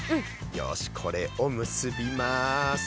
よしこれを結びます。